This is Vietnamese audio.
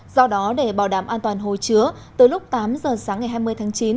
do đó để bảo đảm an toàn hồi chứa từ lúc tám giờ sáng ngày hai mươi tháng chín